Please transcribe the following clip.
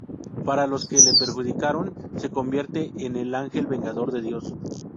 Para los que le perjudicaron, se convierte en el ángel vengador de Dios.